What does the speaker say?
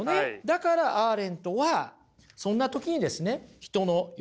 だからアーレントはそんな時にですねあら。